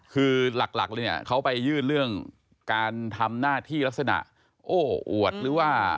คือหลักเลยเนี่ยเขาไปยื่นเรื่องการทำหน้าที่ลักษณะโอ้อวดหรือว่า